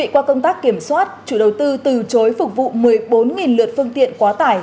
qua công tác kiểm soát chủ đầu tư từ chối phục vụ một mươi bốn lượt phương tiện quá tải